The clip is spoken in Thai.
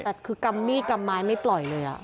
แต่คือกำมีดกำไม้ไม่ปล่อยเลย